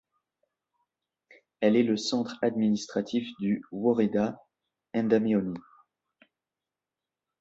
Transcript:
Elle est le centre administratif du woreda Endamehoni.